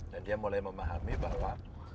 dan dia mulai memahami bahwa